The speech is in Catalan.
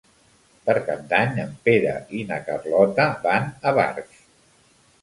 Per Cap d'Any en Pere i na Carlota van a Barx.